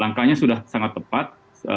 langkahnya sudah sangat tepat